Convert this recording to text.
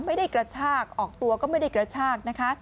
ไม่ได้กระชากออกตัวก็ไม่ได้กระชาก